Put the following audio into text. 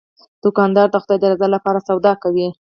دوکاندار د خدای د رضا لپاره سودا کوي.